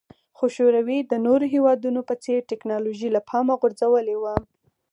خو شوروي د نورو هېوادونو په څېر ټکنالوژي له پامه غورځولې وه